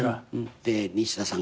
西田さん